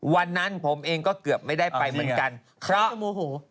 วันนั้นผมเองก็เกือบไม่ได้ไปเหมือนกันเพราะโมโห